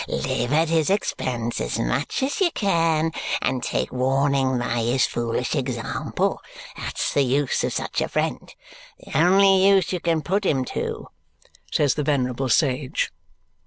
Live at his expense as much as you can, and take warning by his foolish example. That's the use of such a friend. The only use you can put him to," says the venerable sage.